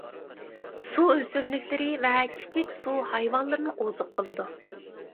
سۇ ئۆسۈملۈكلىرى ۋە كىچىك سۇ ھايۋانلىرىنى ئوزۇق قىلىدۇ.